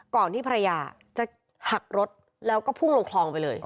ที่ภรรยาจะหักรถแล้วก็พุ่งลงคลองไปเลย